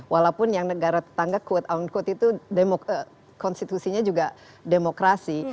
walaupun yang negara tetangga quote unquote itu konstitusinya juga demokrasi